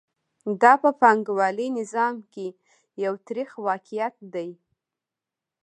دا په پانګوالي نظام کې یو تریخ واقعیت دی